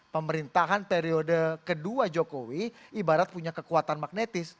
pemerintahan periode kedua jokowi ibarat punya kekuatan magnetis